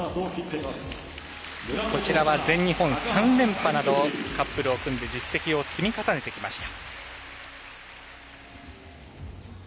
こちらは全日本３連覇などカップルを組んで実績を積み重ねてきました。